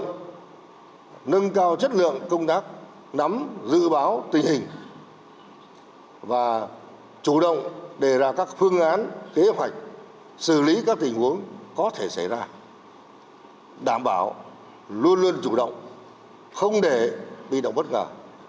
chúng tôi nâng cao chất lượng công tác nắm dự báo tình hình và chủ động đề ra các phương án kế hoạch xử lý các tình huống có thể xảy ra đảm bảo luôn luôn chủ động không để bị động bất ngờ